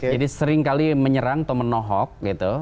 jadi sering kali menyerang atau menohok gitu